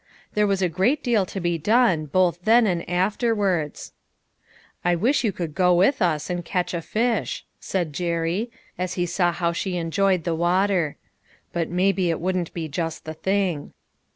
There was a great deal to be done, both then and afterwards. " I wish you could go with us and catch a fish," said Jerry, as he saw how she enjoyed the water, " but maybe it wouldn't be just the thing."